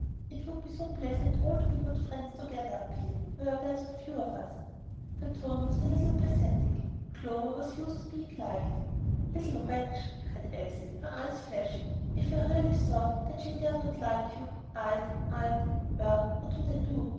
It would be so pleasant all to be good friends together up here, where there are so few of us." Her tone was a little pathetic. Clover was used to being liked. "Little wretch!" cried Elsie, with flashing eyes. "If I really thought that she dared not to like you, I'd I'd , well, what would I do?